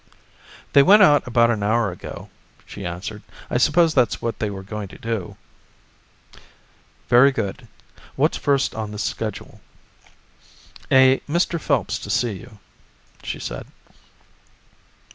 "They went out about an hour ago," she answered, "I suppose that's what they were going to do." "Very good, what's first on the schedule?" "A Mr. Phelps to see you," she said.